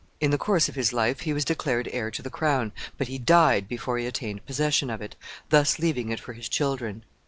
In the course of his life he was declared heir to the crown, but he died before he attained possession of it, thus leaving it for his children.